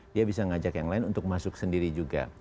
dia bisa ngajak yang lain untuk masuk sendiri juga